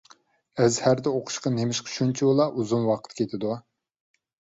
ئەزھەردە ئوقۇشقا نېمىشقا شۇنچىۋالا ئۇزۇن ۋاقىت كېتىدۇ؟